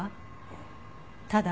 ただ。